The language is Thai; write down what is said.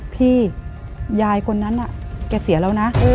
พี่ยายคนนั้นน่ะแกเสียแล้วนะ